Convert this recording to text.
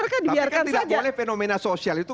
kan dibiarkan saja tapi kan tidak boleh fenomena sosial itu